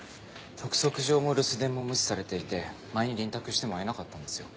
督促状も留守電も無視されていて前に臨宅しても会えなかったんですよ。